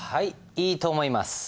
いいと思います。